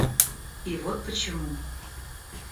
И вот почему.